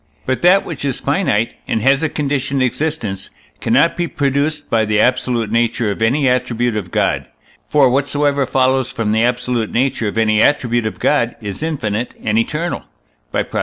But that which is finite, and has a conditioned existence, cannot be produced by the absolute nature of any attribute of God; for whatsoever follows from the absolute nature of any attribute of God is infinite and eternal (by Prop.